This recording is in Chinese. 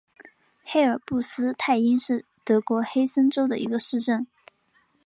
黑尔布斯泰因是德国黑森州的一个市镇。